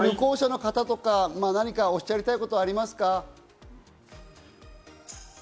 小林さんから、旅行者の方とか何かおっしゃりたいことはありますか？